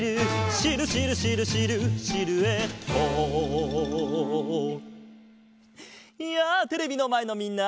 「シルシルシルシルシルエット」やあテレビのまえのみんな！